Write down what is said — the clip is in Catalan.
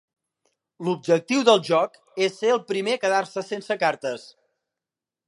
L'objectiu del joc és ser el primer a quedar-se sense cartes.